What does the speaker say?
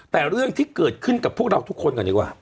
แต่เรื่องที่เกิดขึ้นกับพวกเราทุกคนก่อนดีกว่า